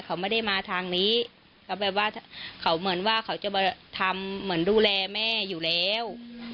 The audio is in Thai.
เขาไม่ได้มาทางนี้เขาแบบว่าเขาเหมือนว่าเขาจะมาทำเหมือนดูแลแม่อยู่แล้ว